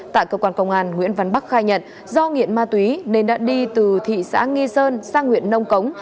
tại cơ quan công an nguyễn văn bắc khai nhận do nghiện ma túy nên đã đi từ thị xã nghi sơn sang huyện nông cống